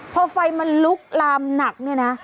พอไฟมันลุกลามหนักเนี่ยนะ